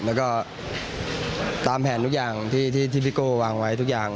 แล้วก็ตามแผนทุกอย่างที่พี่โก้วางไว้ทุกอย่าง